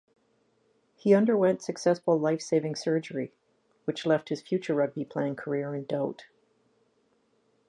He underwent successful life-saving surgery, which left his future rugby playing career in doubt.